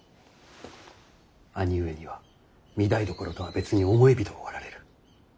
兄上には御台所とは別に思い人がおられる。